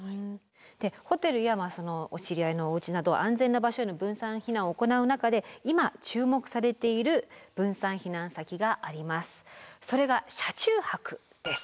ホテルやお知り合いのおうちなど安全な場所への分散避難を行う中で今注目されている分散避難先があります。